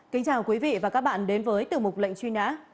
kính chào quý vị và các bạn đến với tiểu mục lệnh truy nã